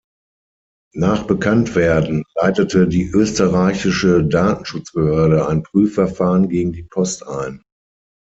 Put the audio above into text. Nach Bekanntwerden leitete die österreichische Datenschutzbehörde ein Prüfverfahren gegen die Post ein.